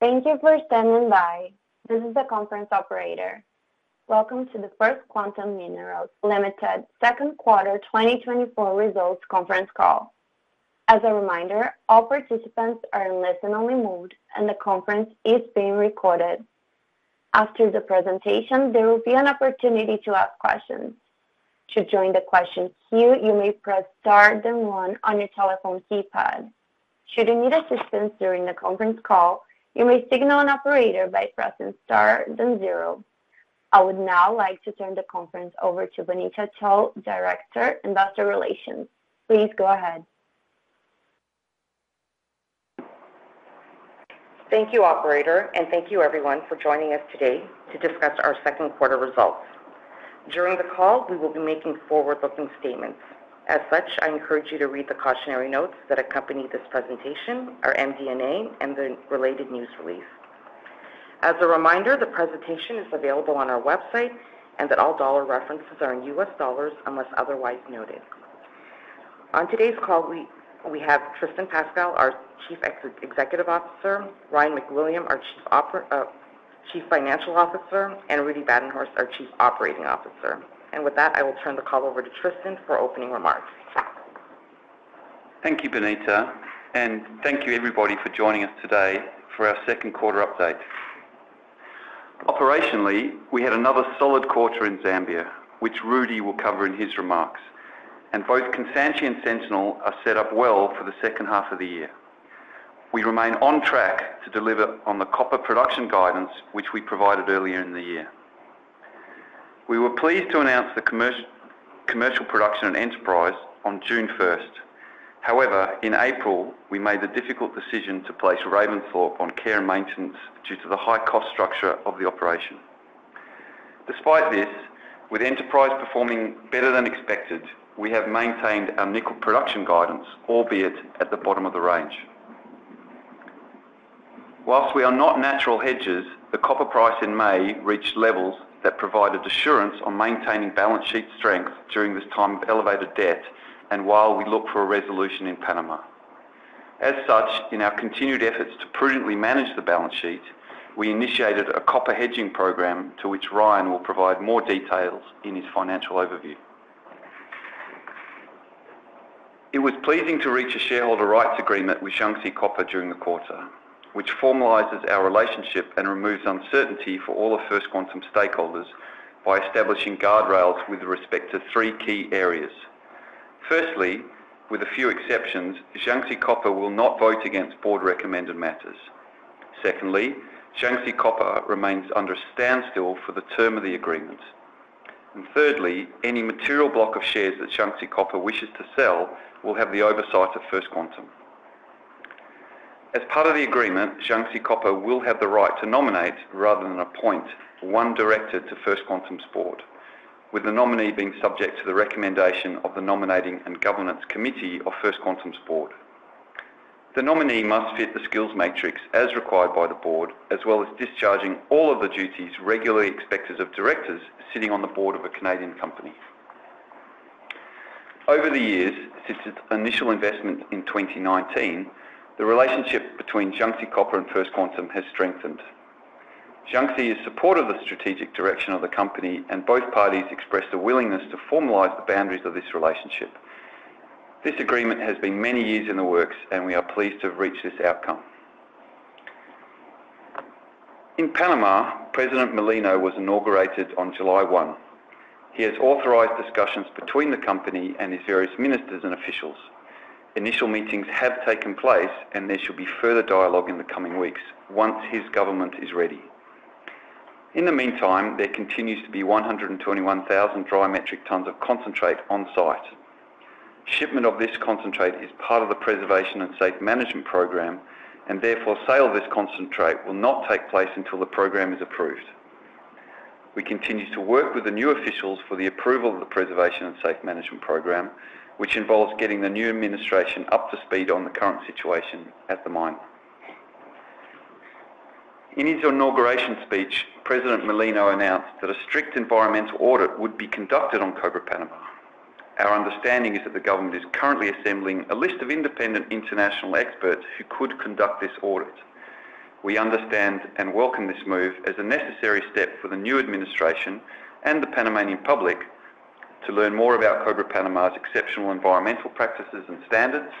Thank you for standing by. This is the conference operator. Welcome to the First Quantum Minerals Limited second quarter 2024 results conference call. As a reminder, all participants are in listen-only mode, and the conference is being recorded. After the presentation, there will be an opportunity to ask questions. To join the question queue, you may press Star then One on your telephone keypad. Should you need assistance during the conference call, you may signal an operator by pressing Star then Zero. I would now like to turn the conference over to Bonita To, Director, Investor Relations. Please go ahead. Thank you, operator, and thank you everyone for joining us today to discuss our second quarter results. During the call, we will be making forward-looking statements. As such, I encourage you to read the cautionary notes that accompany this presentation, our MD&A, and the related news release. As a reminder, the presentation is available on our website and that all dollar references are in US dollars unless otherwise noted. On today's call, we have Tristan Pascall, our Chief Executive Officer, Ryan MacWilliam, our Chief Financial Officer, and Rudi Badenhorst, our Chief Operating Officer. And with that, I will turn the call over to Tristan for opening remarks. Thank you, Bonita, and thank you everybody for joining us today for our second quarter update. Operationally, we had another solid quarter in Zambia, which Rudi will cover in his remarks, and both Kansanshi and Sentinel are set up well for the second half of the year. We remain on track to deliver on the copper production guidance, which we provided earlier in the year. We were pleased to announce the commercial production at Enterprise on June 1. However, in April, we made the difficult decision to place Ravensthorpe on care and maintenance due to the high cost structure of the operation. Despite this, with Enterprise performing better than expected, we have maintained our nickel production guidance, albeit at the bottom of the range. While we are not natural hedges, the copper price in May reached levels that provided assurance on maintaining balance sheet strength during this time of elevated debt and while we look for a resolution in Panama. As such, in our continued efforts to prudently manage the balance sheet, we initiated a copper hedging program, to which Ryan will provide more details in his financial overview. It was pleasing to reach a shareholder rights agreement with Jiangxi Copper during the quarter, which formalizes our relationship and removes uncertainty for all of First Quantum stakeholders by establishing guardrails with respect to three key areas. Firstly, with a few exceptions, Jiangxi Copper will not vote against board-recommended matters. Secondly, Jiangxi Copper remains under a standstill for the term of the agreement. And thirdly, any material block of shares that Jiangxi Copper wishes to sell will have the oversight of First Quantum. As part of the agreement, Jiangxi Copper will have the right to nominate, rather than appoint, one director to First Quantum's board, with the nominee being subject to the recommendation of the Nominating and Governance Committee of First Quantum's board. The nominee must fit the skills matrix as required by the board, as well as discharging all of the duties regularly expected of directors sitting on the board of a Canadian company. Over the years, since its initial investment in 2019, the relationship between Jiangxi Copper and First Quantum has strengthened. Jiangxi is supportive of the strategic direction of the company, and both parties expressed a willingness to formalize the boundaries of this relationship. This agreement has been many years in the works, and we are pleased to have reached this outcome. In Panama, President Mulino was inaugurated on July 1. He has authorized discussions between the company and his various ministers and officials. Initial meetings have taken place, and there should be further dialogue in the coming weeks once his government is ready. In the meantime, there continues to be 121,000 dry metric tons of concentrate on-site. Shipment of this concentrate is part of the preservation and safe management program, and therefore, sale of this concentrate will not take place until the program is approved. We continue to work with the new officials for the approval of the preservation and safe management program, which involves getting the new administration up to speed on the current situation at the mine. In his inauguration speech, President Mulino announced that a strict environmental audit would be conducted on Cobre Panamá. Our understanding is that the government is currently assembling a list of independent international experts who could conduct this audit. We understand and welcome this move as a necessary step for the new administration and the Panamanian public to learn more about Cobre Panamá's exceptional environmental practices and standards,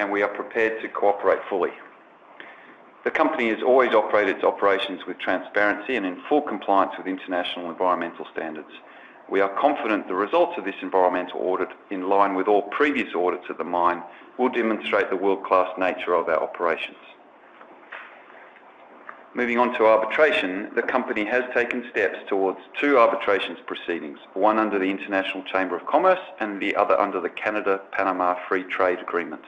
and we are prepared to cooperate fully. The company has always operated its operations with transparency and in full compliance with international environmental standards. We are confident the results of this environmental audit, in line with all previous audits of the mine, will demonstrate the world-class nature of our operations. Moving on to arbitration, the company has taken steps towards two arbitration proceedings, one under the International Chamber of Commerce and the other under the Canada-Panama Free Trade Agreement.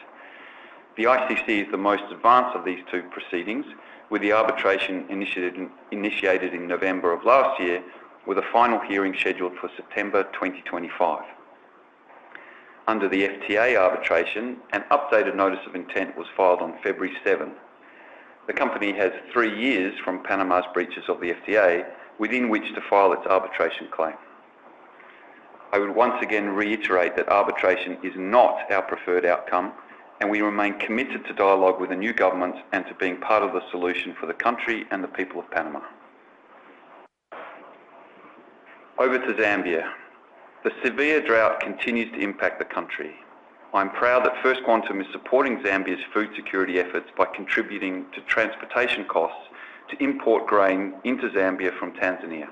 The ICC is the most advanced of these two proceedings, with the arbitration initiated in November of last year, with a final hearing scheduled for September 2025. Under the FTA arbitration, an updated notice of intent was filed on February seventh. The company has three years from Panama's breaches of the FTA within which to file its arbitration claim. I would once again reiterate that arbitration is not our preferred outcome, and we remain committed to dialogue with the new government and to being part of the solution for the country and the people of Panama. Over to Zambia. The severe drought continues to impact the country. I'm proud that First Quantum is supporting Zambia's food security efforts by contributing to transportation costs to import grain into Zambia from Tanzania.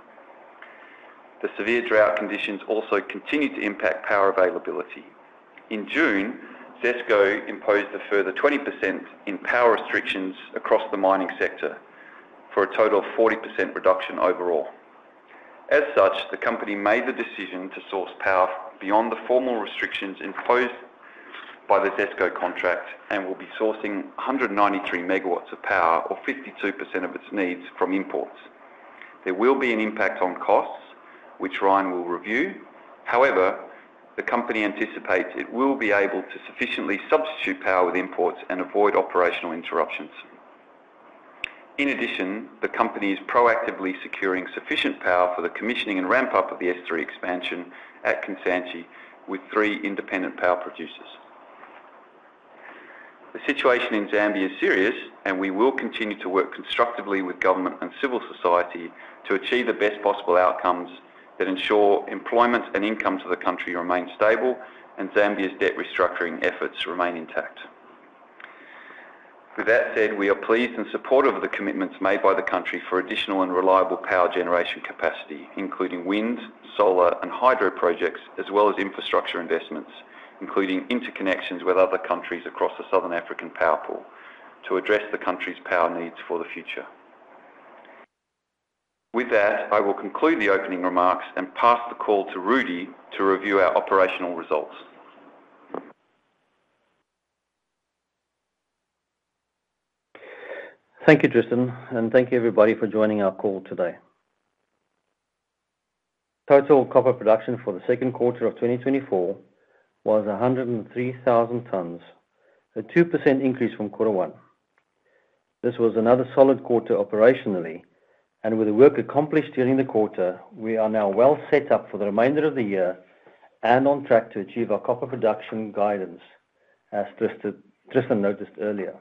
The severe drought conditions also continue to impact power availability. In June, ZESCO imposed a further 20% in power restrictions across the mining sector, for a total of 40% reduction overall. As such, the company made the decision to source power beyond the formal restrictions imposed by the ZESCO contract and will be sourcing 193 MW of power, or 52% of its needs, from imports. There will be an impact on costs, which Ryan will review. However, the company anticipates it will be able to sufficiently substitute power with imports and avoid operational interruptions. In addition, the company is proactively securing sufficient power for the commissioning and ramp-up of the S3 Expansion at Kansanshi, with three independent power producers. The situation in Zambia is serious, and we will continue to work constructively with government and civil society to achieve the best possible outcomes that ensure employment and incomes of the country remain stable and Zambia's debt restructuring efforts remain intact. With that said, we are pleased and supportive of the commitments made by the country for additional and reliable power generation capacity, including wind, solar, and hydro projects, as well as infrastructure investments, including interconnections with other countries across the Southern African Power Pool, to address the country's power needs for the future. With that, I will conclude the opening remarks and pass the call to Rudi to review our operational results. Thank you, Tristan, and thank you, everybody, for joining our call today. Total copper production for the second quarter of 2024 was 103,000 tons, a 2% increase from quarter one. This was another solid quarter operationally, and with the work accomplished during the quarter, we are now well set up for the remainder of the year and on track to achieve our copper production guidance, as Tristan, Tristan noted earlier.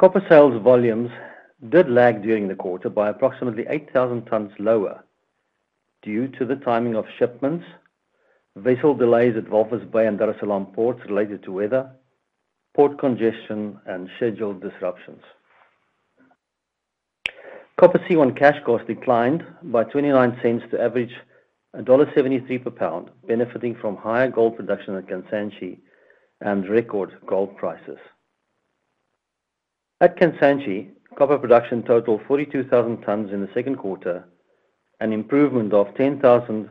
Copper sales volumes did lag during the quarter by approximately 8,000 tons lower due to the timing of shipments, vessel delays at Walvis Bay and Dar es Salaam ports related to weather, port congestion, and scheduled disruptions. Copper C1 cash costs declined by $0.29 to average $1.73 per pound, benefiting from higher gold production at Kansanshi and record gold prices. At Kansanshi, copper production totaled 42,000 tons in the second quarter, an improvement of 10,000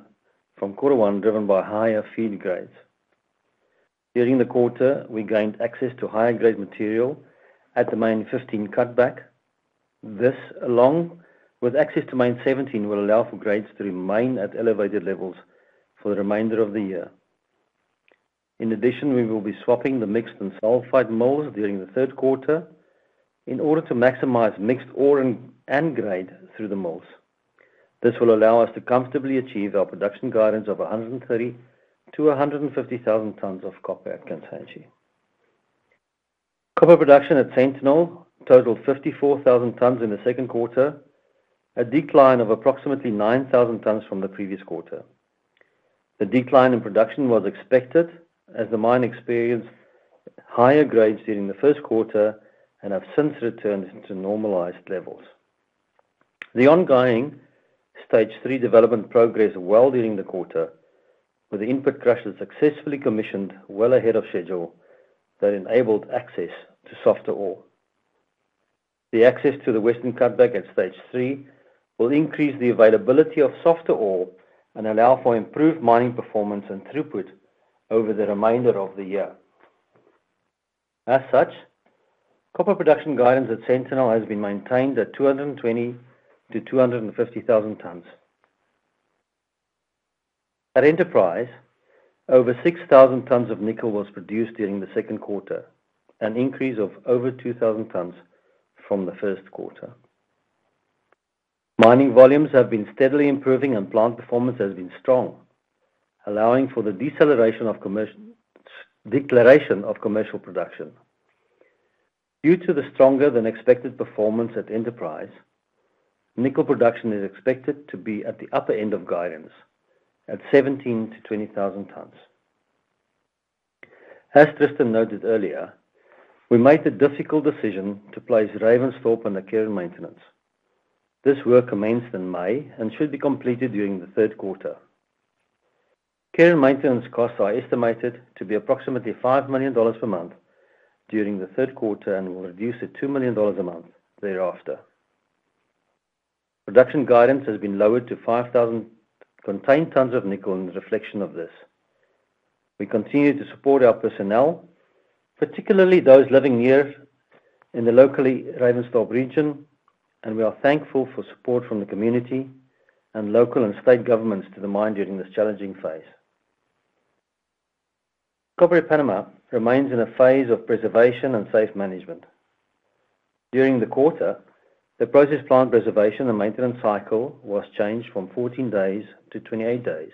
from quarter one, driven by higher feed grades. During the quarter, we gained access to higher-grade material at the Main 15 cutback. This, along with access to Main 17, will allow for grades to remain at elevated levels for the remainder of the year. In addition, we will be swapping the mixed and sulfide mills during the third quarter in order to maximize mixed ore and grade through the mills. This will allow us to comfortably achieve our production guidance of 130,000-150,000 tons of copper at Kansanshi. Copper production at Sentinel totaled 54,000 tons in the second quarter, a decline of approximately 9,000 tons from the previous quarter. The decline in production was expected as the mine experienced higher grades during the first quarter and have since returned to normalized levels. The ongoing stage three development progressed well during the quarter, with the in-pit crusher successfully commissioned well ahead of schedule that enabled access to softer ore. The access to the Western Cutback at stage three will increase the availability of softer ore and allow for improved mining performance and throughput over the remainder of the year. As such, copper production guidance at Sentinel has been maintained at 220-250,000 tons. At Enterprise, over 6,000 tons of nickel was produced during the second quarter, an increase of over 2,000 tons from the first quarter. Mining volumes have been steadily improving, and plant performance has been strong, allowing for the declaration of commercial production. Due to the stronger-than-expected performance at Enterprise, nickel production is expected to be at the upper end of guidance at 17,000-20,000 tons. As Tristan noted earlier, we made the difficult decision to place Ravensthorpe under care and maintenance. This work commenced in May and should be completed during the third quarter. Care and maintenance costs are estimated to be approximately $5 million per month during the third quarter and will reduce to $2 million a month thereafter. Production guidance has been lowered to 5,000 contained tons of nickel in reflection of this. We continue to support our personnel, particularly those living nearby in the local Ravensthorpe region, and we are thankful for support from the community and local and state governments to the mine during this challenging phase. Cobre Panamá remains in a phase of preservation and safe management. During the quarter, the process plant preservation and maintenance cycle was changed from 14 days to 28 days.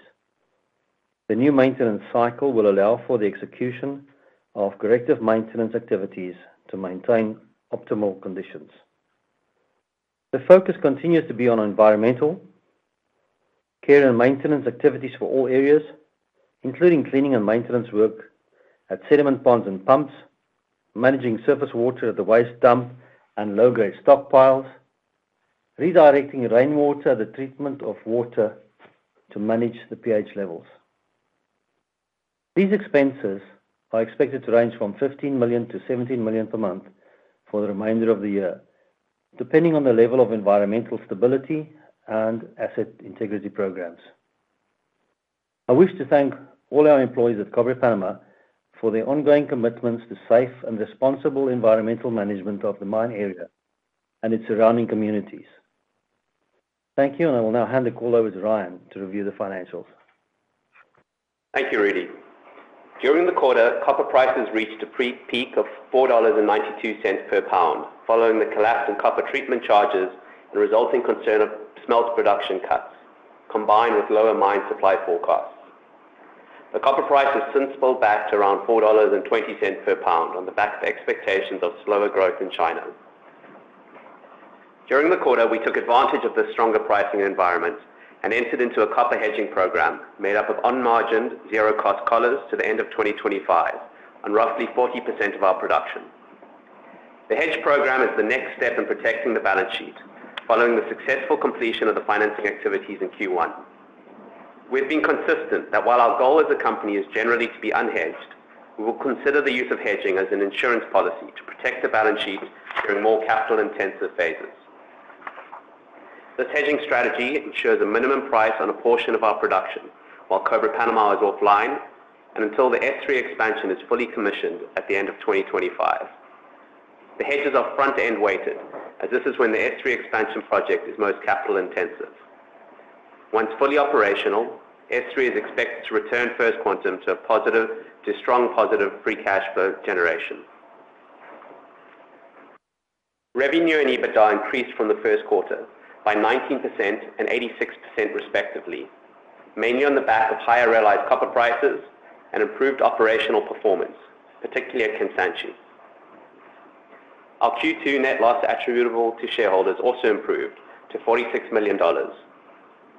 The new maintenance cycle will allow for the execution of corrective maintenance activities to maintain optimal conditions. The focus continues to be on environmental care and maintenance activities for all areas, including cleaning and maintenance work at sediment ponds and pumps, managing surface water at the waste dump and low-grade stockpiles, redirecting rainwater, the treatment of water to manage the pH levels. These expenses are expected to range from $15 million to $17 million per month for the remainder of the year, depending on the level of environmental stability and asset integrity programs. I wish to thank all our employees at Cobre Panamá for their ongoing commitments to safe and responsible environmental management of the mine area and its surrounding communities. Thank you, and I will now hand the call over to Ryan to review the financials. Thank you, Rudi. During the quarter, copper prices reached a brief peak of $4.92 per pound, following the collapse in copper treatment charges and resulting concern of smelter production cuts, combined with lower mine supply forecasts. The copper price has since pulled back to around $4.20 per pound on the back of expectations of slower growth in China. During the quarter, we took advantage of the stronger pricing environment and entered into a copper hedging program made up of unmargined, zero-cost collars to the end of 2025, on roughly 40% of our production. The hedge program is the next step in protecting the balance sheet, following the successful completion of the financing activities in Q1. We've been consistent that while our goal as a company is generally to be unhedged, we will consider the use of hedging as an insurance policy to protect the balance sheet during more capital-intensive phases. This hedging strategy ensures a minimum price on a portion of our production while Cobre Panamá is offline and until the S3 Expansion is fully commissioned at the end of 2025. The hedges are front-end weighted, as this is when the S3 Expansion project is most capital intensive. Once fully operational, S3 is expected to return First Quantum to a positive to strong positive free cash flow generation. Revenue and EBITDA increased from the first quarter by 19% and 86% respectively, mainly on the back of higher realized copper prices and improved operational performance, particularly at Kansanshi. Our Q2 net loss attributable to shareholders also improved to $46 million.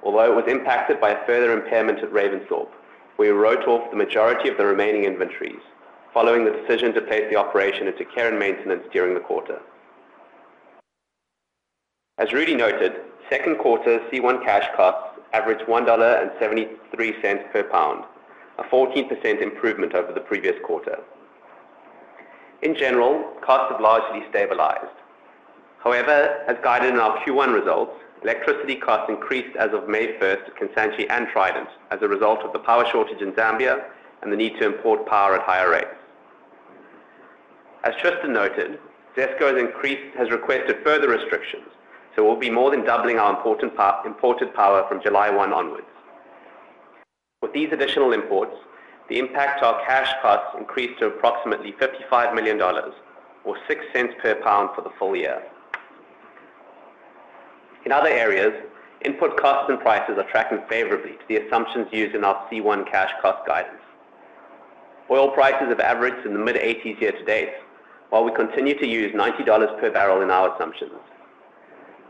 Although it was impacted by a further impairment at Ravensthorpe, we wrote off the majority of the remaining inventories following the decision to place the operation into care and maintenance during the quarter. As Rudi noted, second quarter C1 cash costs averaged $1.73 per pound, a 14% improvement over the previous quarter. In general, costs have largely stabilized. However, as guided in our Q1 results, electricity costs increased as of May 1 at Kansanshi and Trident as a result of the power shortage in Zambia and the need to import power at higher rates. As Tristan noted, ZESCO has requested further restrictions, so we'll be more than doubling our imported power from July 1 onwards. With these additional imports, the impact to our cash costs increased to approximately $55 million or $0.06 per pound for the full year. In other areas, input costs and prices are tracking favorably to the assumptions used in our C1 cash cost guidance. Oil prices have averaged in the mid-80s year to date, while we continue to use $90 per barrel in our assumptions.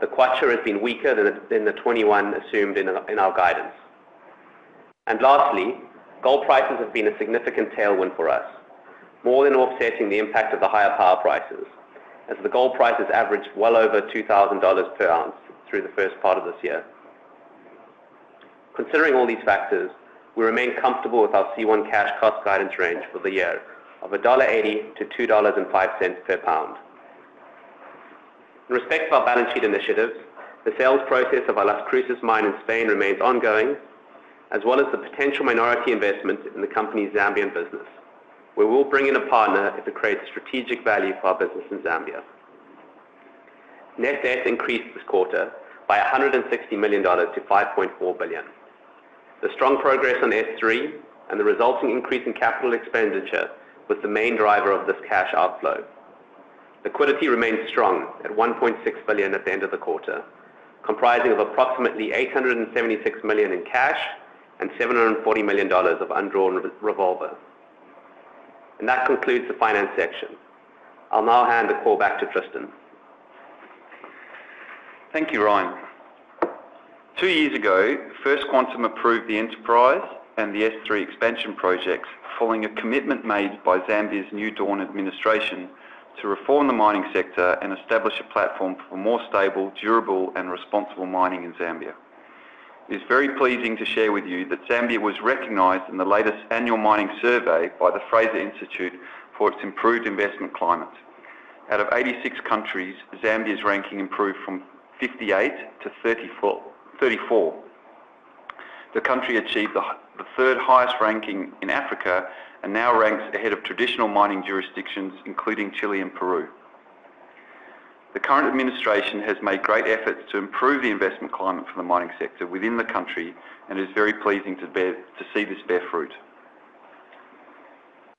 The kwacha has been weaker than the 21 assumed in our guidance. And lastly, gold prices have been a significant tailwind for us, more than offsetting the impact of the higher power prices, as the gold prices averaged well over $2,000 per ounce through the first part of this year. Considering all these factors, we remain comfortable with our C1 cash cost guidance range for the year of $1.80-$2.05 per pound. In respect to our balance sheet initiatives, the sales process of our Las Cruces mine in Spain remains ongoing, as well as the potential minority investment in the company's Zambian business. We will bring in a partner if it creates strategic value for our business in Zambia. Net debt increased this quarter by $160 million to $5.4 billion. The strong progress on S3 and the resulting increase in capital expenditure was the main driver of this cash outflow. Liquidity remains strong at $1.6 billion at the end of the quarter, comprising of approximately $876 million in cash and $740 million of undrawn revolver. That concludes the finance section. I'll now hand the call back to Tristan. Thank you, Ryan. Two years ago, First Quantum approved the Enterprise and the S3 Expansion projects, following a commitment made by Zambia's New Dawn administration to reform the mining sector and establish a platform for more stable, durable, and responsible mining in Zambia. It's very pleasing to share with you that Zambia was recognized in the latest annual mining survey by the Fraser Institute for its improved investment climate. Out of 86 countries, Zambia's ranking improved from 58 to 34. The country achieved the third highest ranking in Africa and now ranks ahead of traditional mining jurisdictions, including Chile and Peru. The current administration has made great efforts to improve the investment climate for the mining sector within the country, and it's very pleasing to see this bear fruit.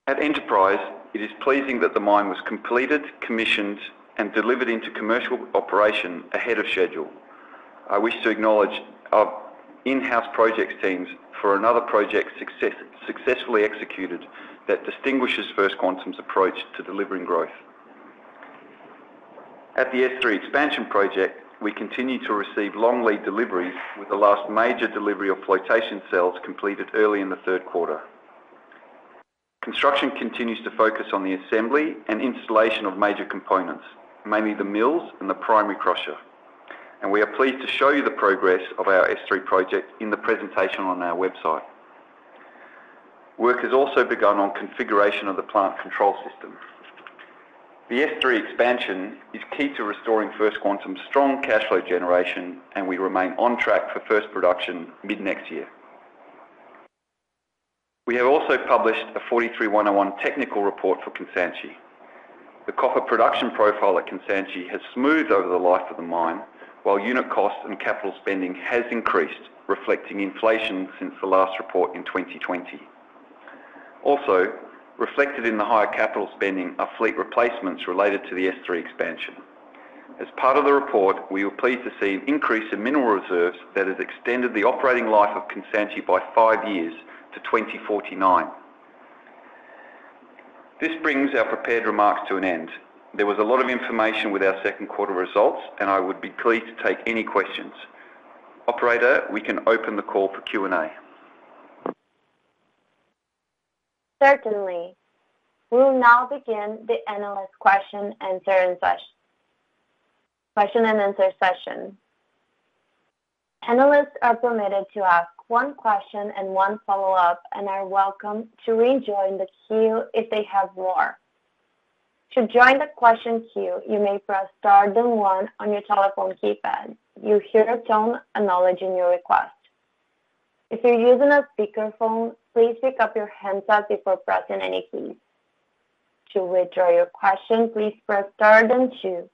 At Enterprise, it is pleasing that the mine was completed, commissioned, and delivered into commercial operation ahead of schedule. I wish to acknowledge our in-house project teams for another project success, successfully executed, that distinguishes First Quantum's approach to delivering growth. At the S3 Expansion project, we continue to receive long lead deliveries, with the last major delivery of flotation cells completed early in the third quarter. Construction continues to focus on the assembly and installation of major components, mainly the mills and the primary crusher, and we are pleased to show you the progress of our S3 project in the presentation on our website. Work has also begun on configuration of the plant control system. The S3 Expansion is key to restoring First Quantum's strong cash flow generation, and we remain on track for first production mid-next year. We have also published a 43-101 technical report for Cobre Panamá. The copper production profile at Cobre Panamá has smoothed over the life of the mine, while unit cost and capital spending has increased, reflecting inflation since the last report in 2020. Also, reflected in the higher capital spending are fleet replacements related to the S3 Expansion. As part of the report, we were pleased to see an increase in mineral reserves that has extended the operating life of Cobre Panamá by five years to 2049. This brings our prepared remarks to an end. There was a lot of information with our second quarter results, and I would be pleased to take any questions. Operator, we can open the call for Q&A. Certainly. We'll now begin the analyst question and answer session. Analysts are permitted to ask one question and one follow-up, and are welcome to rejoin the queue if they have more. To join the question queue, you may press star then one on your telephone keypad. You'll hear a tone acknowledging your request. If you're using a speakerphone, please pick up your handset before pressing any keys. To withdraw your question, please press star then two.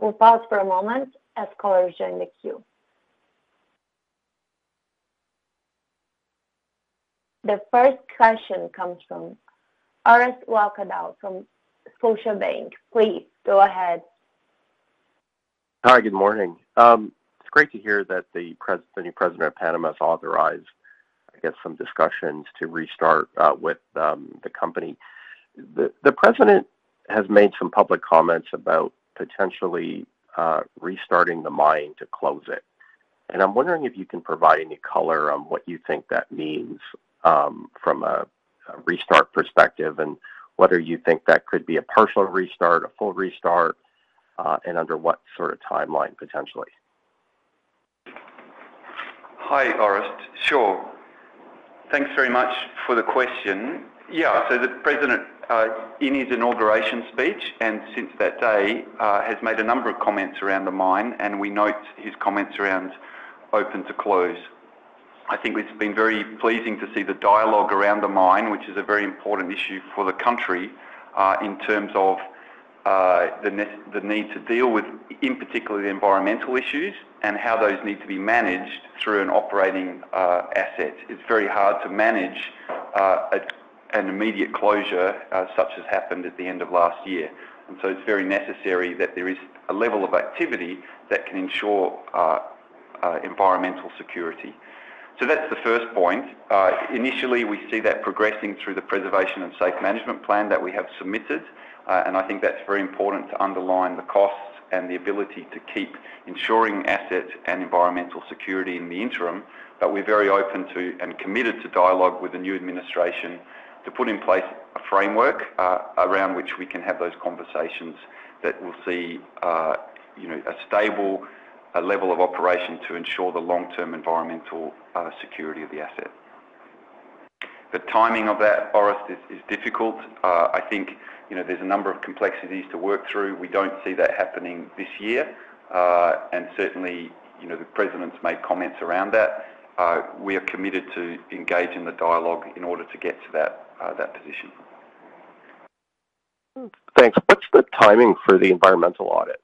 We'll pause for a moment as callers join the queue. The first question comes from Orest Wowkodaw from Scotiabank. Please, go ahead. Hi, good morning. It's great to hear that the new president of Panama has authorized, I guess, some discussions to restart with the company. The president has made some public comments about potentially restarting the mine to close it, and I'm wondering if you can provide any color on what you think that means from a restart perspective, and whether you think that could be a partial restart, a full restart, and under what sort of timeline, potentially? Hi, Orest. Sure. Thanks very much for the question. Yeah, so the president, in his inauguration speech and since that day, has made a number of comments around the mine, and we note his comments around open to close. I think it's been very pleasing to see the dialogue around the mine, which is a very important issue for the country, in terms of, the need to deal with, in particular, the environmental issues and how those need to be managed through an operating asset. It's very hard to manage, an immediate closure, such as happened at the end of last year, and so it's very necessary that there is a level of activity that can ensure, environmental security. So that's the first point. Initially, we see that progressing through the Preservation and Safe Management Plan that we have submitted, and I think that's very important to underline the costs and the ability to keep ensuring asset and environmental security in the interim. But we're very open to and committed to dialogue with the new administration to put in place a framework, around which we can have those conversations that will see, you know, a stable, a level of operation to ensure the long-term environmental, security of the asset. The timing of that, Orest, is difficult. I think, you know, there's a number of complexities to work through. We don't see that happening this year, and certainly, you know, the president's made comments around that. We are committed to engage in the dialogue in order to get to that, that position. Thanks. What's the timing for the environmental audit?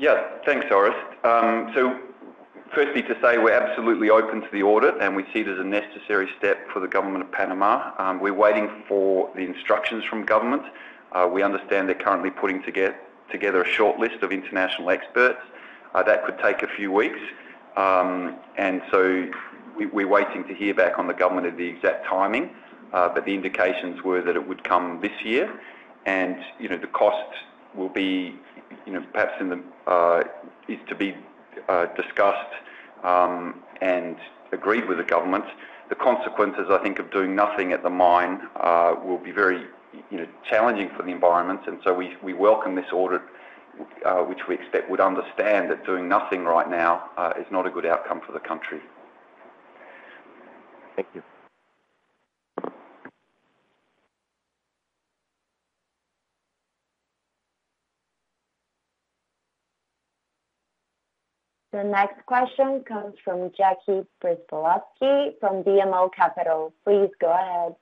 Yeah. Thanks, Orest. So firstly, to say we're absolutely open to the audit, and we see it as a necessary step for the government of Panama. We're waiting for the instructions from government. We understand they're currently putting together a shortlist of international experts. That could take a few weeks. And so we're waiting to hear back from the government on the exact timing, but the indications were that it would come this year. And, you know, the cost will be, you know, perhaps in the, is to be discussed and agreed with the government. The consequences, I think, of doing nothing at the mine, will be very, you know, challenging for the environment, and so we welcome this audit, which we expect would understand that doing nothing right now, is not a good outcome for the country. Thank you. The next question comes from Jackie Przybylowski from BMO Capital. Please go ahead.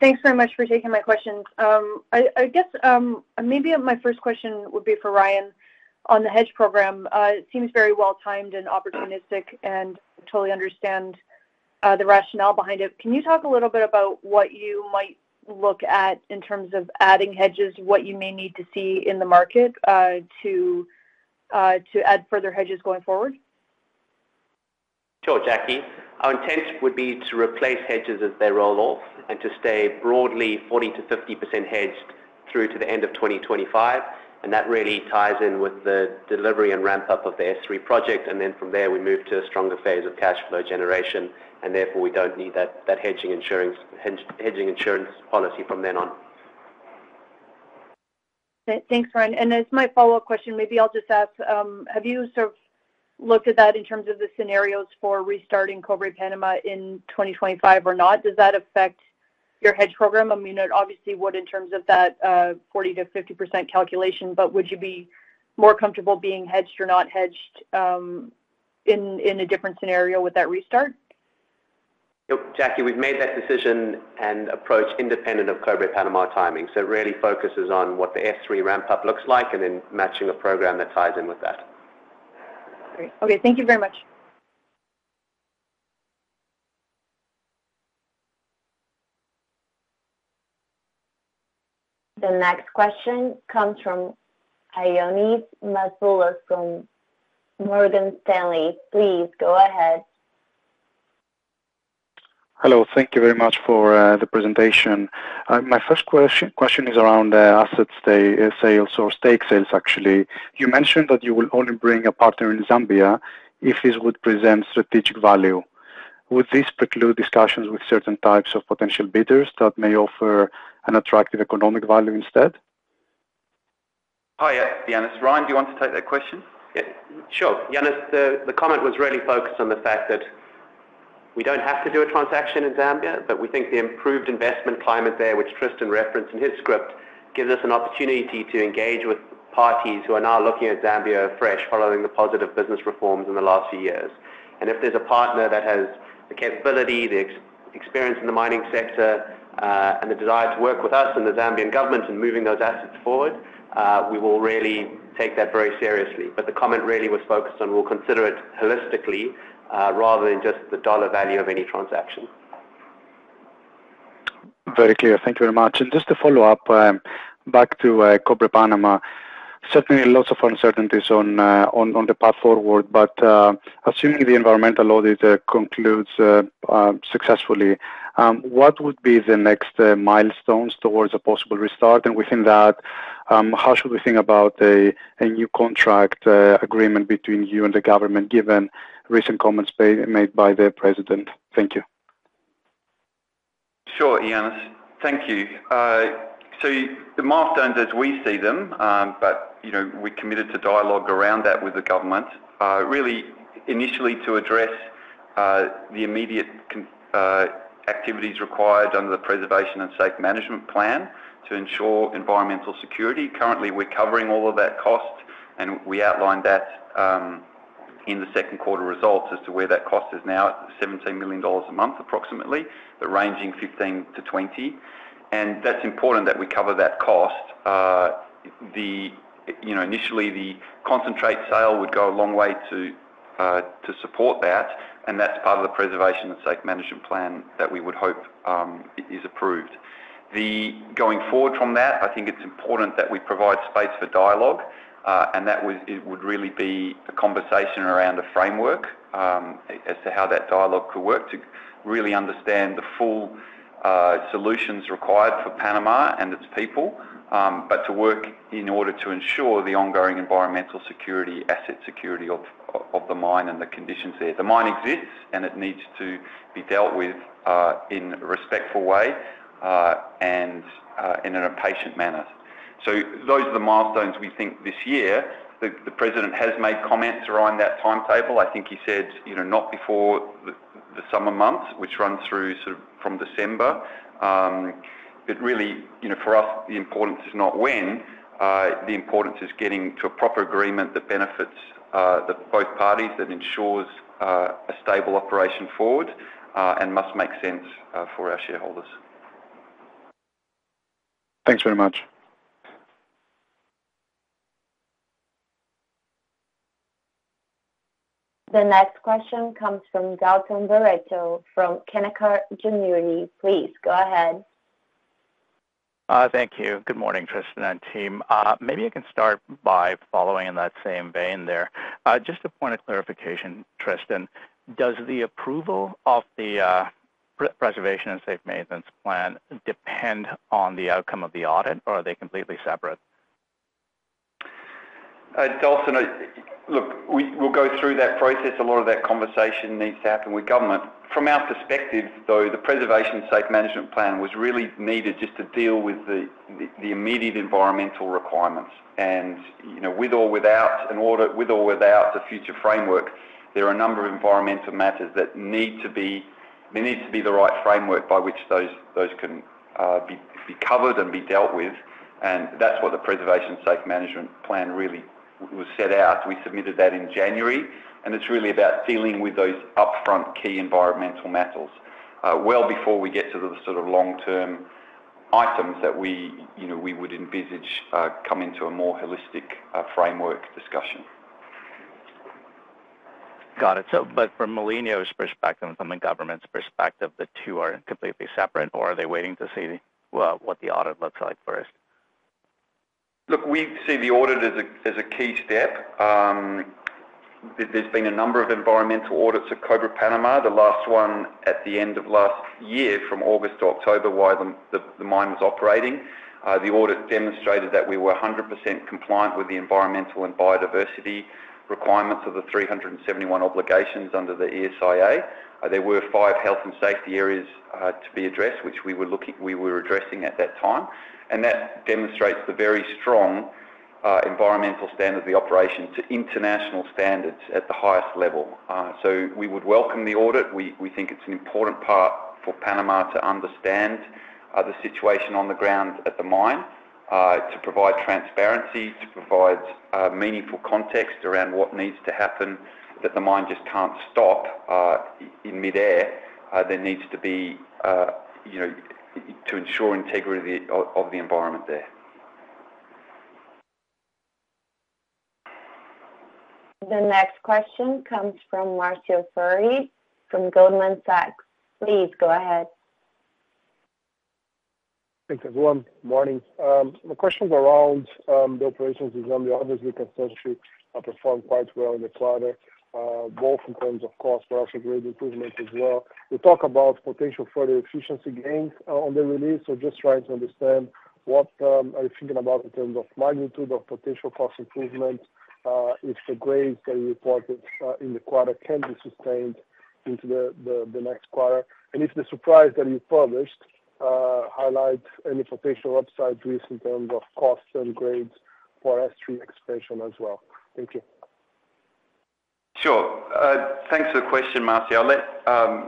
Thanks very much for taking my questions. I guess maybe my first question would be for Ryan on the hedge program. It seems very well-timed and opportunistic, and totally understand the rationale behind it. Can you talk a little bit about what you might look at in terms of adding hedges, what you may need to see in the market, to add further hedges going forward? Sure, Jackie. Our intent would be to replace hedges as they roll off and to stay broadly 40%-50% hedged through to the end of 2025, and that really ties in with the delivery and ramp up of the S3 project. Then from there, we move to a stronger phase of cash flow generation, and therefore we don't need that hedging insurance, hedging insurance policy from then on. Thanks, Ryan. As my follow-up question, maybe I'll just ask, have you sort of looked at that in terms of the scenarios for restarting Cobre Panamá in 2025 or not? Does that affect your hedge program? I mean, it obviously would, in terms of that, 40%-50% calculation, but would you be more comfortable being hedged or not hedged, in a different scenario with that restart? Yep. Jackie, we've made that decision and approach independent of Cobre Panamá timing. It really focuses on what the S3 ramp up looks like and then matching a program that ties in with that. Great. Okay, thank you very much. The next question comes from Ioannis Masvoulas from Morgan Stanley. Please, go ahead. Hello. Thank you very much for the presentation. My first question is around asset sales or stake sales, actually. You mentioned that you will only bring a partner in Zambia if this would present strategic value. Would this preclude discussions with certain types of potential bidders that may offer an attractive economic value instead? Hi, Janus. Ryan, do you want to take that question? Yeah, sure. Janus, the comment was really focused on the fact that we don't have to do a transaction in Zambia, but we think the improved investment climate there, which Tristan referenced in his script, gives us an opportunity to engage with parties who are now looking at Zambia fresh, following the positive business reforms in the last few years. And if there's a partner that has the capability, the experience in the mining sector, and the desire to work with us and the Zambian government in moving those assets forward, we will really take that very seriously. But the comment really was focused on, we'll consider it holistically, rather than just the dollar value of any transaction. Very clear. Thank you very much. And just to follow up, back to Cobre Panamá. Certainly, lots of uncertainties on the path forward, but assuming the environmental audit concludes successfully, what would be the next milestones towards a possible restart? And within that, how should we think about a new contract agreement between you and the government, given recent comments made by the president? Thank you. Sure, Ioannis. Thank you. So the milestones as we see them, but, you know, we're committed to dialogue around that with the government, really initially to address the immediate activities required under the Preservation and Safe Management Plan to ensure environmental security. Currently, we're covering all of that cost, and we outlined that in the second quarter results as to where that cost is now, at $17 million a month, approximately, but ranging $15-$20. And that's important that we cover that cost. The, you know, initially, the concentrate sale would go a long way to support that, and that's part of the Preservation and Safe Management Plan that we would hope is approved. Going forward from that, I think it's important that we provide space for dialogue, and that would, it would really be a conversation around a framework as to how that dialogue could work to really understand the full solutions required for Panama and its people, but to work in order to ensure the ongoing environmental security, asset security of the mine and the conditions there. The mine exists, and it needs to be dealt with in a respectful way, and in a patient manner. So those are the milestones we think this year. The president has made comments around that timetable. I think he said, you know, not before the summer months, which run through sort of from December. But really, you know, for us, the importance is not when the importance is getting to a proper agreement that benefits the both parties, that ensures a stable operation forward, and must make sense for our shareholders. Thanks very much. The next question comes from Dalton Baretto from Canaccord Genuity. Please, go ahead. Thank you. Good morning, Tristan and team. Maybe I can start by following in that same vein there. Just a point of clarification, Tristan, does the approval of the Preservation and Safe Management Plan depend on the outcome of the audit, or are they completely separate? Dalton, look, we'll go through that process. A lot of that conversation needs to happen with government. From our perspective, though, the Preservation and Safe Management Plan was really needed just to deal with the immediate environmental requirements. You know, with or without an order, with or without the future framework, there are a number of environmental matters that need to be. There needs to be the right framework by which those can be covered and be dealt with, and that's what the Preservation and Safe Management Plan really was set out. We submitted that in January, and it's really about dealing with those upfront key environmental matters, well before we get to the sort of long-term items that we, you know, we would envisage coming to a more holistic framework discussion. Got it. So, but from Mulino's perspective and from the government's perspective, the two are completely separate, or are they waiting to see, well, what the audit looks like first? Look, we see the audit as a key step. There, there's been a number of environmental audits at Cobre Panamá, the last one at the end of last year, from August to October, while the mine was operating. The audit demonstrated that we were 100% compliant with the environmental and biodiversity requirements of the 371 obligations under the ESIA. There were five health and safety areas to be addressed, which we were addressing at that time, and that demonstrates the very strong environmental standard of the operation to international standards at the highest level. So we would welcome the audit. We think it's an important part for Panama to understand the situation on the ground at the mine, to provide transparency, to provide meaningful context around what needs to happen, that the mine just can't stop in midair. There needs to be, you know, to ensure integrity of the environment there. The next question comes from Marcio Farid from Goldman Sachs. Please go ahead. Thanks, everyone. Morning. My question is around the operations. Obviously, consistency performed quite well in the quarter, both in terms of cost, but also great improvement as well. You talk about potential further efficiency gains on the release. So just trying to understand what are you thinking about in terms of magnitude of potential cost improvement, if the grades that you reported in the quarter can be sustained into the next quarter? And if the surprise that you published highlight any potential upside risk in terms of costs and grades for S3 Expansion as well. Thank you. Sure. Thanks for the question, Marcio. I'll let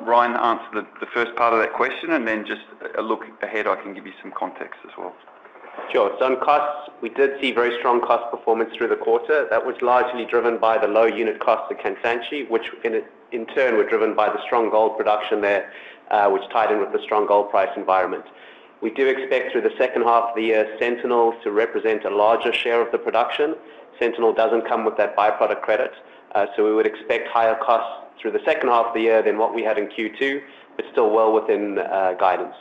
Ryan answer the first part of that question and then just a look ahead, I can give you some context as well. Sure. So on costs, we did see very strong cost performance through the quarter. That was largely driven by the low unit cost of Kansanshi, which in turn were driven by the strong gold production there, which tied in with the strong gold price environment. We do expect through the second half of the year, Sentinel to represent a larger share of the production. Sentinel doesn't come with that by-product credit, so we would expect higher costs through the second half of the year than what we had in Q2, but still well within guidance.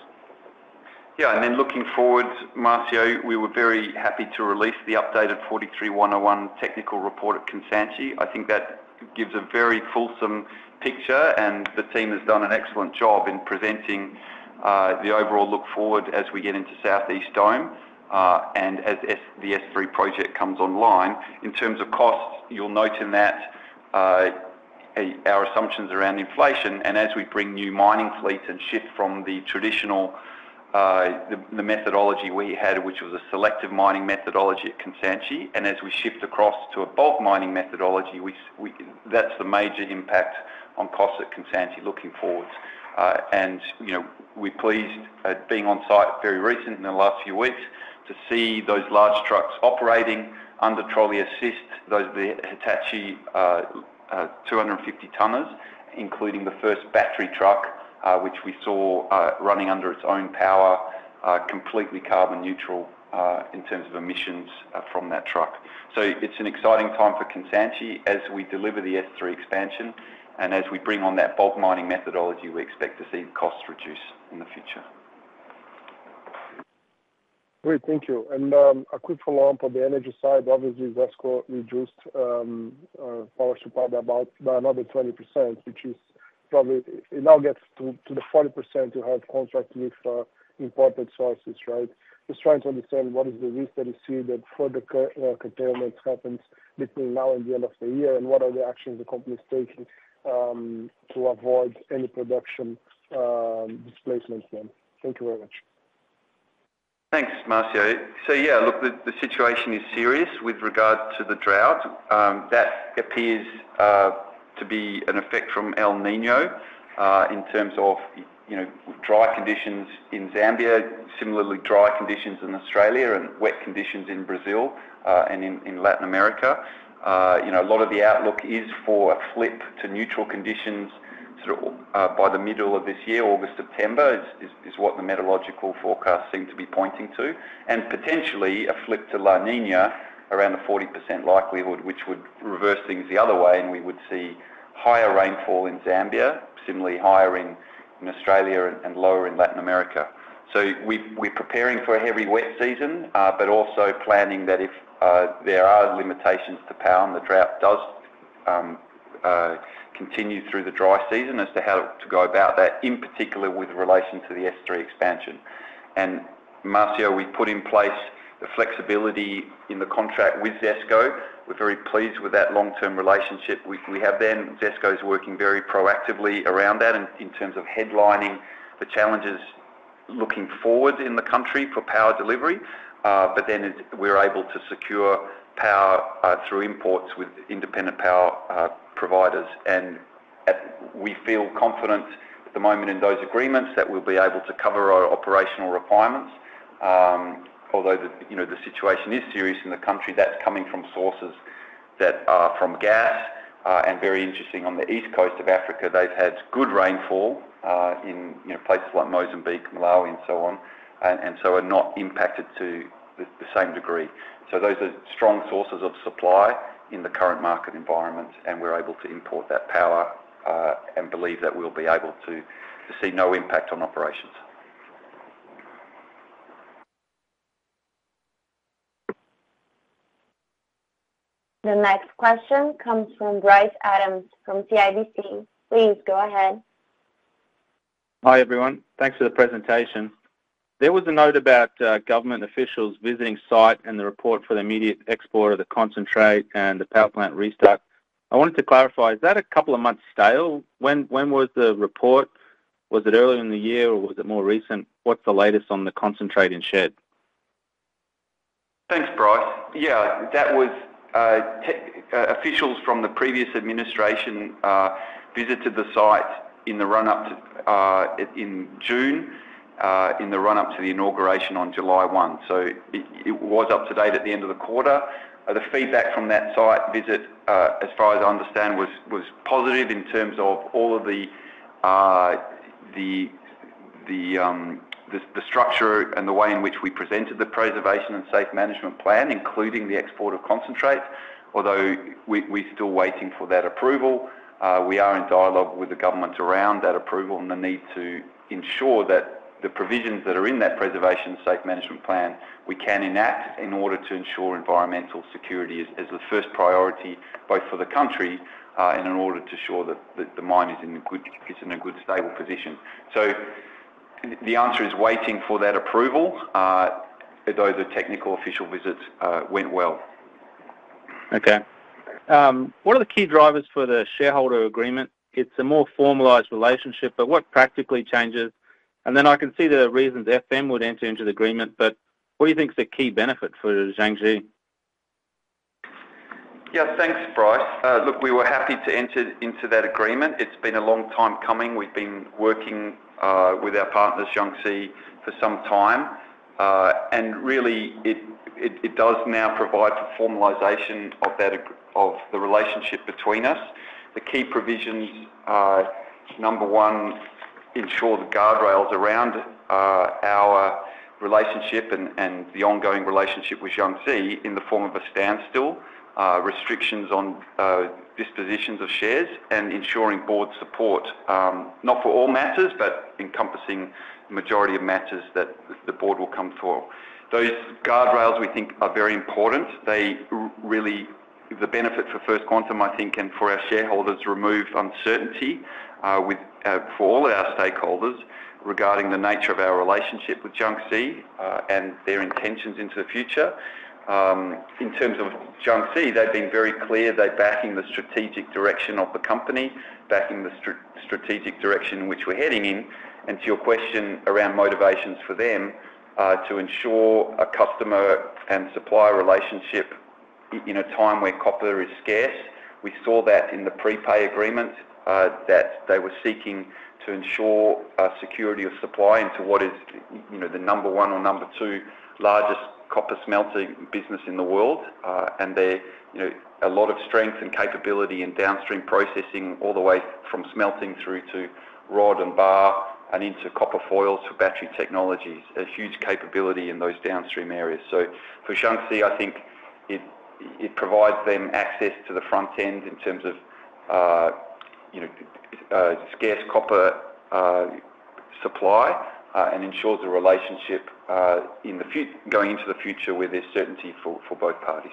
Yeah, and then looking forward, Marcio, we were very happy to release the updated 43-101 technical report at Kansanshi. I think that gives a very fulsome picture, and the team has done an excellent job in presenting the overall look forward as we get into Southeast Dome, and as the S3 project comes online. In terms of costs, you'll note in that our assumptions around inflation, and as we bring new mining fleets and shift from the traditional the methodology we had, which was a selective mining methodology at Kansanshi, and as we shift across to a bulk mining methodology, that's the major impact on costs at Kansanshi looking forward. You know, we're pleased at being on site very recently in the last few weeks to see those large trucks operating under trolley assist, those Hitachi 250-tonners, including the first battery truck, which we saw running under its own power, completely carbon neutral in terms of emissions from that truck. So it's an exciting time for Kansanshi as we deliver the S3 Expansion. And as we bring on that bulk mining methodology, we expect to see costs reduce in the future. Great, thank you. A quick follow-up on the energy side. Obviously, ZESCO reduced power supply by about, by another 20%, which is probably. It now gets to the 40% you have contracted with imported sources, right? Just trying to understand what is the risk that you see that further curtailments happens between now and the end of the year, and what are the actions the company is taking to avoid any production displacement then. Thank you very much. Thanks, Marcio. So yeah, look, the situation is serious with regard to the drought. That appears to be an effect from El Niño, in terms of, you know, dry conditions in Zambia, similarly, dry conditions in Australia, and wet conditions in Brazil, and in Latin America. You know, a lot of the outlook is for a flip to neutral conditions by the middle of this year, August, September, what the meteorological forecast seem to be pointing to, and potentially a flip to La Niña around a 40% likelihood, which would reverse things the other way, and we would see higher rainfall in Zambia, similarly higher in Australia and lower in Latin America. So we're preparing for a heavy wet season, but also planning that if there are limitations to power and the drought does continue through the dry season as to how to go about that, in particular with relation to the S3 Expansion. And Marcio, we put in place the flexibility in the contract with ZESCO. We're very pleased with that long-term relationship we have there, and ZESCO is working very proactively around that in terms of headlining the challenges looking forward in the country for power delivery, but then we're able to secure power through imports with independent power providers. And we feel confident at the moment in those agreements that we'll be able to cover our operational requirements. Although, you know, the situation is serious in the country, that's coming from sources that are from ZESCO. And very interesting, on the east coast of Africa, they've had good rainfall in, you know, places like Mozambique, Malawi, and so on, and so are not impacted to the same degree. So those are strong sources of supply in the current market environment, and we're able to import that power and believe that we'll be able to to see no impact on operations. The next question comes from Bryce Adams from CIBC. Please go ahead. Hi, everyone. Thanks for the presentation. There was a note about government officials visiting site and the report for the immediate export of the concentrate and the power plant restart. I wanted to clarify, is that a couple of months stale? When, when was the report? Was it earlier in the year, or was it more recent? What's the latest on the concentrate in shed? Thanks, Bryce. Yeah, that was the officials from the previous administration visited the site in the run-up to in June in the run-up to the inauguration on July 1. So it was up to date at the end of the quarter. The feedback from that site visit, as far as I understand, was positive in terms of all of the structure and the way in which we presented the Preservation and Safe Management Plan, including the export of concentrate. Although, we're still waiting for that approval. We are in dialogue with the government around that approval and the need to ensure that the provisions that are in that Preservation and Safe Management Plan, we can enact in order to ensure environmental security as the first priority, both for the country, and in order to ensure that the mine is in a good, stable position. So the answer is waiting for that approval, although the technical official visits went well. Okay. What are the key drivers for the shareholder agreement? It's a more formalized relationship, but what practically changes? Then I can see the reasons FM would enter into the agreement, but what do you think is the key benefit for Jiangxi? Yeah, thanks, Bryce. Look, we were happy to enter into that agreement. It's been a long time coming. We've been working with our partners, Jiangxi, for some time. And really, it does now provide the formalization of the relationship between us. The key provisions are, number one, ensure the guardrails around our relationship and the ongoing relationship with Jiangxi in the form of a standstill, restrictions on dispositions of shares, and ensuring board support, not for all matters, but encompassing the majority of matters that the board will come for. Those guardrails, we think, are very important. They really the benefit for First Quantum, I think, and for our shareholders, remove uncertainty with for all our stakeholders regarding the nature of our relationship with Jiangxi, and their intentions into the future. In terms of Jiangxi, they've been very clear they're backing the strategic direction of the company, backing the strategic direction in which we're heading in. And to your question around motivations for them, to ensure a customer and supplier relationship in a time where copper is scarce. We saw that in the prepay agreement, that they were seeking to ensure, security of supply into what is, you know, the number one or number two largest copper smelting business in the world. And there, you know, a lot of strength and capability in downstream processing, all the way from smelting through to rod and bar and into copper foils for battery technologies. A huge capability in those downstream areas. So for Jiangxi, I think it, it provides them access to the front end in terms of, you know, scarce copper supply, and ensures the relationship in the fut- going into the future, where there's certainty for, for both parties.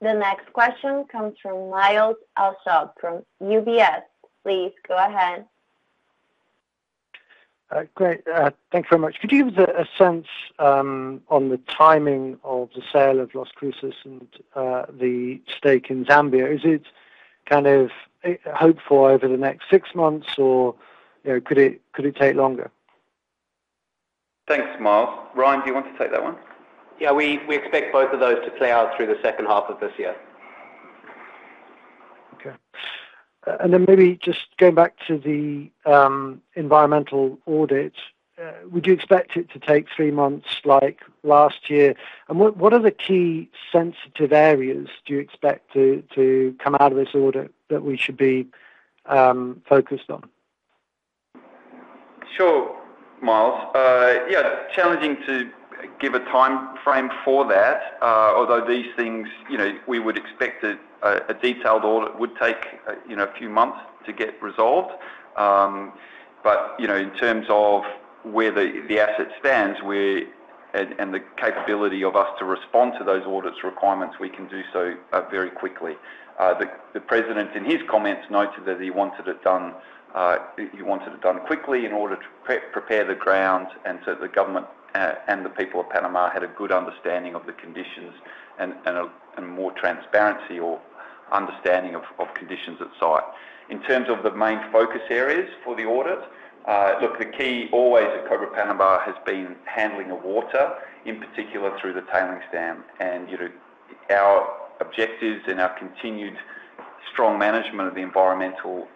The next question comes from Myles Allsop from UBS. Please go ahead. Great. Thank you very much. Could you give us a sense on the timing of the sale of Las Cruces and the stake in Zambia? Is it kind of hoped for over the next six months, or, you know, could it take longer? Thanks, Myles. Ryan, do you want to take that one? Yeah, we expect both of those to play out through the second half of this year. Okay. And then maybe just going back to the environmental audit, would you expect it to take three months like last year? And what are the key sensitive areas do you expect to come out of this audit that we should be focused on? Sure, Myles. Yeah, challenging to give a time frame for that, although these things, you know, we would expect a detailed audit would take, you know, a few months to get resolved. But, you know, in terms of where the asset stands, we and the capability of us to respond to those audits requirements, we can do so, very quickly. The president, in his comments, noted that he wanted it done, he wanted it done quickly in order to prepare the ground, and so the government and the people of Panama had a good understanding of the conditions and a more transparency or understanding of conditions at site. In terms of the main focus areas for the audit, look, the key always at Cobre Panamá has been handling of water, in particular through the tailings dam. You know, our objectives and our continued strong management of the environmental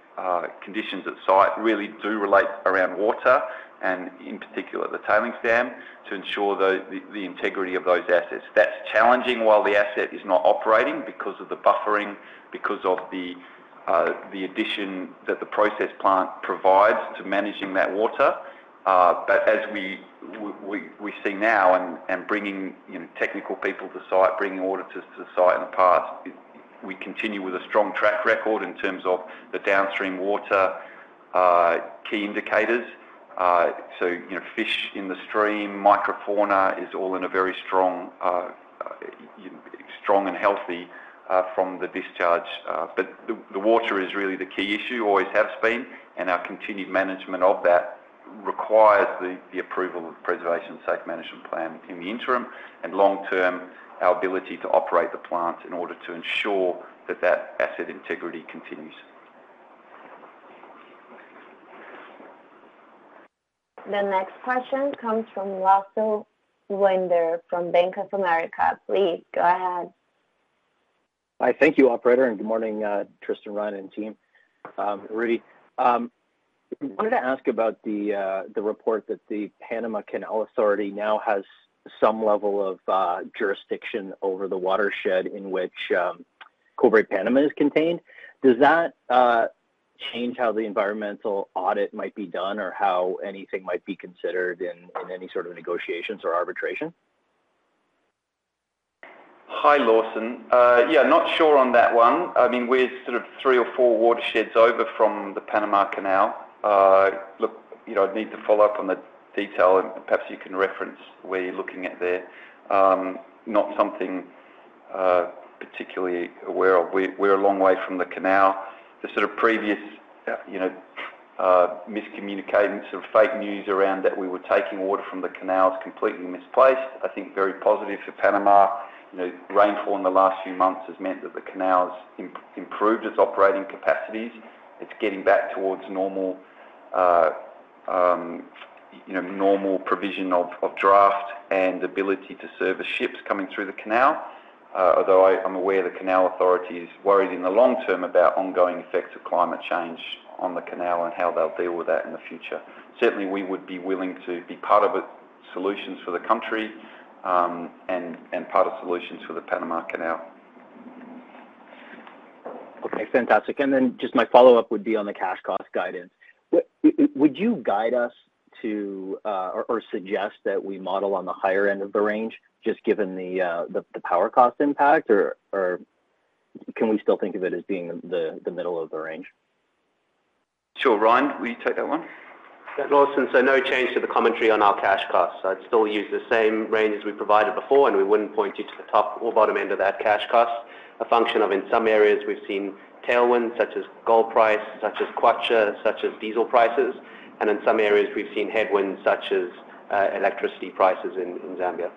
conditions at site really do relate around water, and in particular, the tailings dam, to ensure the integrity of those assets. That's challenging while the asset is not operating because of the buffering, because of the addition that the process plant provides to managing that water. But as we see now and bringing, you know, technical people to site, bringing auditors to site in the past, we continue with a strong track record in terms of the downstream water, key indicators. So, you know, fish in the stream, microfauna is all in a very strong, strong and healthy, from the discharge. But the, the water is really the key issue, always has been, and our continued management of that requires the, the approval of Preservation and Safe Management Plan in the interim, and long-term, our ability to operate the plant in order to ensure that that asset integrity continues. The next question comes from Lawson Winder from Bank of America. Please, go ahead. Hi. Thank you, operator, and good morning, Tristan, Ryan, and team. Rudi, I wanted to ask about the report that the Panama Canal Authority now has some level of jurisdiction over the watershed in which Cobre Panamá is contained. Does that change how the environmental audit might be done or how anything might be considered in any sort of negotiations or arbitration? Hi, Lawson. Yeah, not sure on that one. I mean, we're sort of three or four watersheds over from the Panama Canal. Look, you know, I'd need to follow up on the detail, and perhaps you can reference where you're looking at there. Not something particularly aware of. We're a long way from the canal. The sort of previous, you know, miscommunication, sort of fake news around that we were taking water from the canal is completely misplaced. I think very positive for Panama. You know, rainfall in the last few months has meant that the canal's improved its operating capacities. It's getting back towards normal, normal provision of draft and ability to service ships coming through the canal. Although I'm aware the Canal Authority is worried in the long term about ongoing effects of climate change on the canal and how they'll deal with that in the future. Certainly, we would be willing to be part of a solutions for the country, and part of solutions for the Panama Canal. Okay, fantastic. And then just my follow-up would be on the cash cost guidance. Would you guide us to, or, or suggest that we model on the higher end of the range, just given the, the power cost impact, or, or can we still think of it as being the, the middle of the range? Sure. Ryan, will you take that one? Lawson, so no change to the commentary on our cash costs. I'd still use the same range as we provided before, and we wouldn't point you to the top or bottom end of that cash cost. A function of in some areas we've seen tailwinds, such as gold price, such as kwacha, such as diesel prices, and in some areas we've seen headwinds, such as electricity prices in Zambia.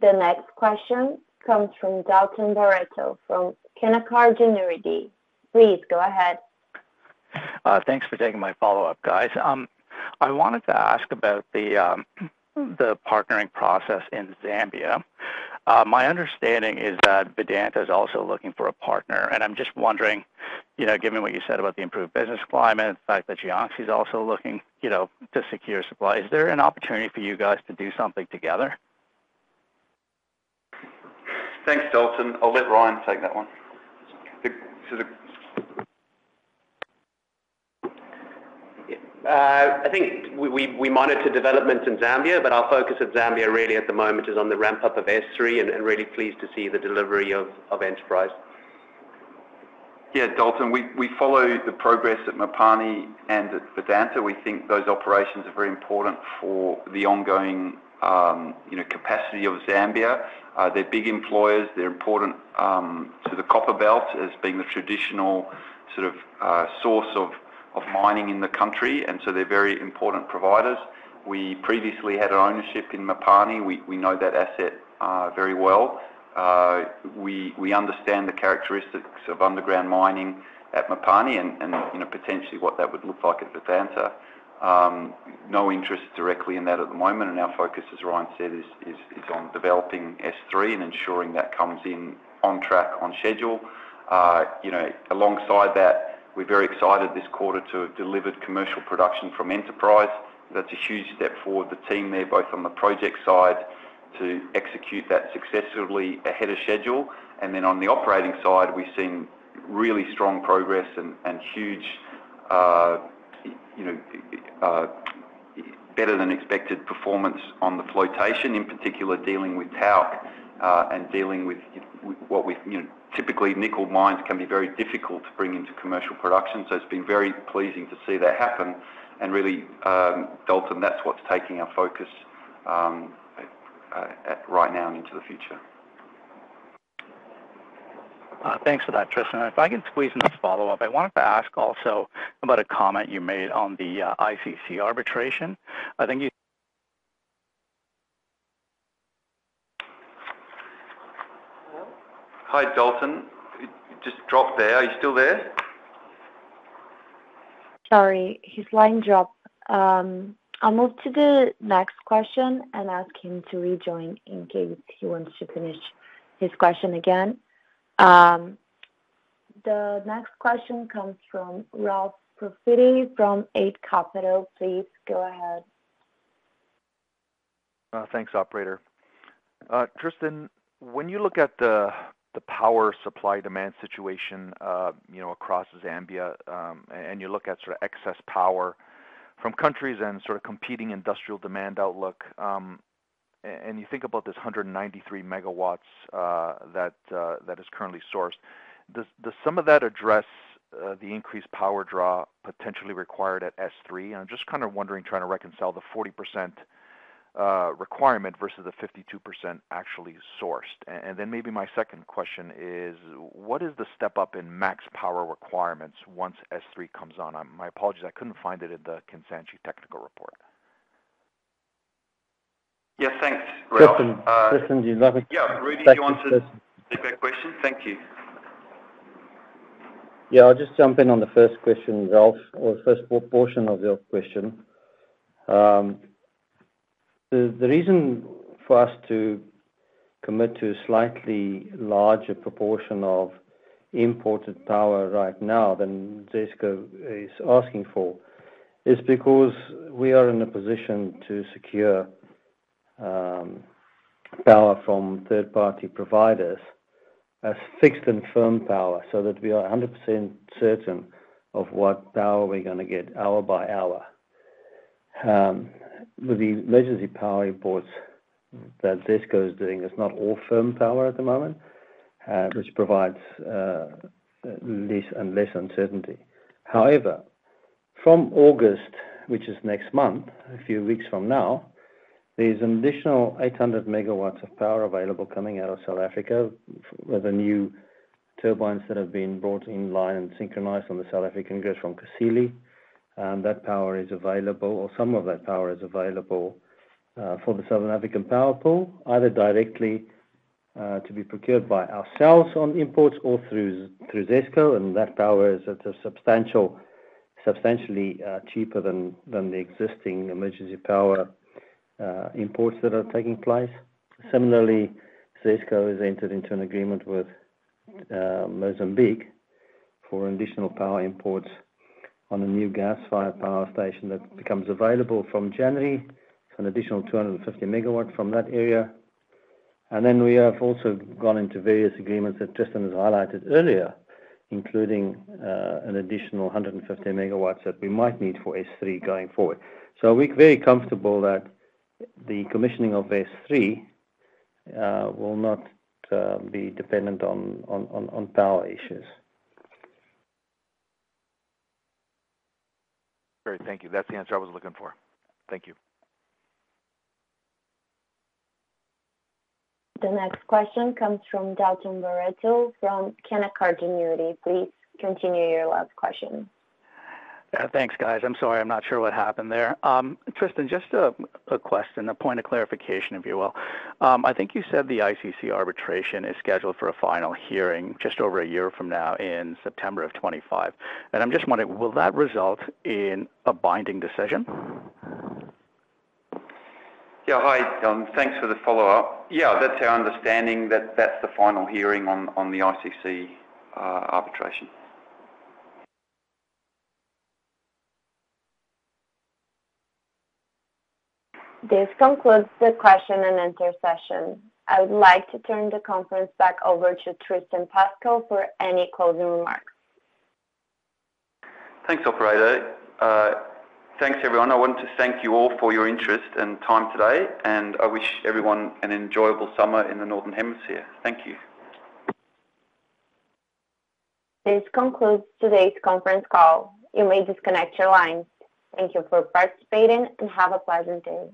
The next question comes from Dalton Baretto from Canaccord Genuity. Please, go ahead. Thanks for taking my follow-up, guys. I wanted to ask about the partnering process in Zambia. My understanding is that Vedanta is also looking for a partner, and I'm just wondering, you know, given what you said about the improved business climate, the fact that Jiangxi is also looking, you know, to secure supply, is there an opportunity for you guys to do something together? Thanks, Dalton. I'll let Ryan take that one. I think we monitor developments in Zambia, but our focus of Zambia, really, at the moment, is on the ramp-up of S3 and really pleased to see the delivery of Enterprise. Yeah, Dalton, we follow the progress at Mopani and at Vedanta. We think those operations are very important for the ongoing, you know, capacity of Zambia. They're big employers. They're important to the Copperbelt as being the traditional sort of source of mining in the country, and so they're very important providers. We previously had an ownership in Mopani. We know that asset very well. We understand the characteristics of underground mining at Mopani and, you know, potentially what that would look like at Vedanta. No interest directly in that at the moment, and our focus, as Ryan said, is on developing S3 and ensuring that comes in on track, on schedule. You know, alongside that, we're very excited this quarter to have delivered commercial production from Enterprise. That's a huge step for the team there, both on the project side, to execute that successfully ahead of schedule. And then on the operating side, we've seen really strong progress and huge, you know, better than expected performance on the flotation, in particular, dealing with talc, and dealing with what we've. You know, typically, nickel mines can be very difficult to bring into commercial production, so it's been very pleasing to see that happen. And really, Dalton, that's what's taking our focus, right now and into the future. Thanks for that, Tristan. If I can squeeze in this follow-up, I wanted to ask also about a comment you made on the ICC arbitration. I think you- Hello? Hi, Dalton. It just dropped there. Are you still there? Sorry, his line dropped. I'll move to the next question and ask him to rejoin in case he wants to finish his question again. The next question comes from Ralph Profiti from Eight Capital. Please go ahead. Thanks, operator. Tristan, when you look at the power supply-demand situation, you know, across Zambia, and you look at sort of excess power from countries and sort of competing industrial demand outlook, and you think about this 193 MW that is currently sourced, does some of that address the increased power draw potentially required at S3? I'm just kind of wondering, trying to reconcile the 40% requirement versus the 52% actually sourced. And then maybe my second question is: what is the step-up in max power requirements once S3 comes on? My apologies, I couldn't find it in the Kansanshi technical report. Yeah, thanks, Ralph. Tristan. Tristan, do you mind- Yeah, Rudi, do you want to take that question? Thank you. Yeah, I'll just jump in on the first question, Ralph, or the first portion of your question. The reason for us to commit to a slightly larger proportion of imported power right now than ZESCO is asking for is because we are in a position to secure power from third-party providers as fixed and firm power, so that we are 100% certain of what power we're gonna get hour by hour. The emergency power imports that ZESCO is doing is not all firm power at the moment, which provides less and less uncertainty. However, from August, which is next month, a few weeks from now, there's an additional 800 MW of power available coming out of South Africa with the new turbines that have been brought in line and synchronized on the South African grid from Kusile. And that power is available, or some of that power is available, for the Southern African Power Pool, either directly, to be procured by ourselves on imports or through ZESCO, and that power is at a substantial—substantially cheaper than the existing emergency power imports that are taking place. Similarly, ZESCO has entered into an agreement with Mozambique for additional power imports on a new gas-fired power station that becomes available from January. It's an additional 250 MW from that area. And then we have also gone into various agreements that Tristan has highlighted earlier, including an additional 150 MW that we might need for S3 going forward. So we're very comfortable that the commissioning of S3 will not be dependent on power issues. Great. Thank you. That's the answer I was looking for. Thank you. The next question comes from Dalton Baretto from Canaccord Genuity. Please continue your last question. Thanks, guys. I'm sorry, I'm not sure what happened there. Tristan, just a question, a point of clarification, if you will. I think you said the ICC arbitration is scheduled for a final hearing just over a year from now in September of 2025, and I'm just wondering: will that result in a binding decision? Yeah. Hi, thanks for the follow-up. Yeah, that's our understanding that that's the final hearing on the ICC arbitration. This concludes the question and answer session. I would like to turn the conference back over to Tristan Pascall for any closing remarks. Thanks, operator. Thanks, everyone. I want to thank you all for your interest and time today, and I wish everyone an enjoyable summer in the Northern Hemisphere. Thank you. This concludes today's conference call. You may disconnect your lines. Thank you for participating, and have a pleasant day.